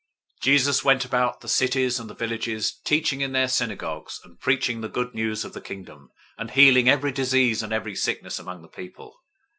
009:035 Jesus went about all the cities and the villages, teaching in their synagogues, and preaching the Good News of the Kingdom, and healing every disease and every sickness among the people.